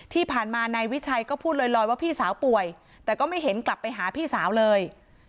ที่ผ่านมานายวิชัยก็พูดลอยว่าพี่สาวป่วยแต่ก็ไม่เห็นกลับไปหาพี่สาวเลย